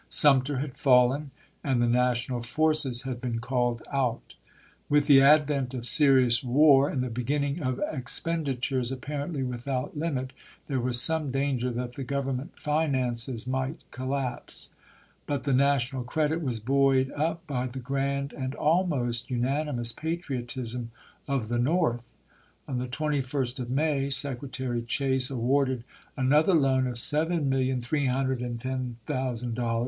Sumter had fallen, and the national forces had been called out. With the ad vent of serious war and the beginning of expendi tures apparently without limit there was some danger that the Grovernment finances might col lapse. But the national credit was buoyed up by the grand and almost unanimous patriotism of the North. On the 21st of May Secretary Chase Bayiey, awarded another loan of $7,310,000 six per cent. "Loa*!